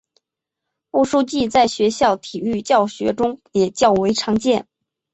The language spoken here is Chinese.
步数计在学校体育教学中也较为常见。